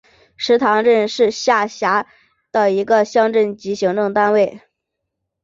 石塘镇是下辖的一个乡镇级行政单位。